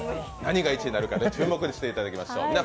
何が１位になるか注目していただきましょう。